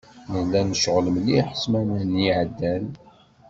Nella necɣel mliḥ ssmana-nni iεeddan.